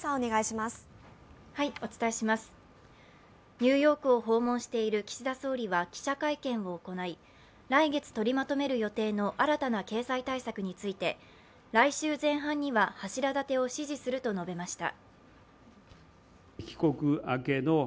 ニューヨークを訪問している岸田総理は記者会見を行い来月取りまとめる予定の新たな経済対策について、来週前半には柱立てを指示すると述べました。